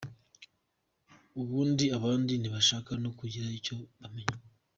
Ubundi abandi ntibashaka no kugira icyo bamenya.